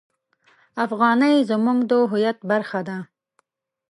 افغانۍ زموږ د هویت برخه ده.